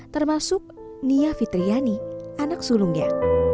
termasuk nia fitriani anak sulungnya